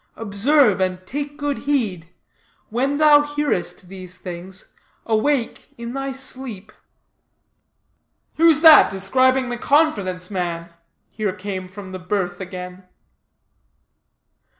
Observe and take good heed. When thou hearest these things, awake in thy sleep.'" "Who's that describing the confidence man?" here came from the berth again.